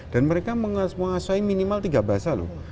dan mereka mengasuhi minimal tiga bahasa loh